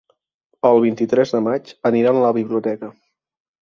El vint-i-tres de maig aniran a la biblioteca.